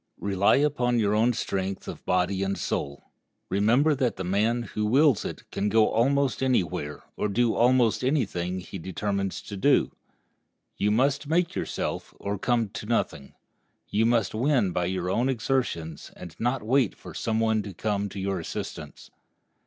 Rely upon your own strength of body and soul. Remember that the man who wills it can go almost anywhere or do almost any thing he determines to do. You must make yourself, or come to nothing. You must win by your own exertions, and not wait for some one to come to your assistance.